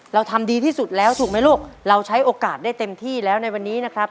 เราทำดีที่สุดแล้วถูกไหมลูกเราใช้โอกาสได้เต็มที่แล้วในวันนี้นะครับ